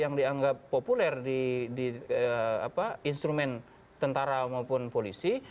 yang dianggap populer di instrumen tentara maupun polisi